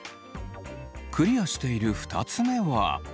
クリアしている２つ目は。